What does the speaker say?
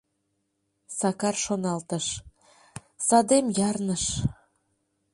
Сакар шоналтыш: «Садем ярныш.